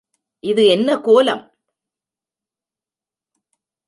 இது என்ன கோலம்?